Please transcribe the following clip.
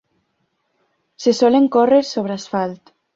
Se solen córrer sobre asfalt.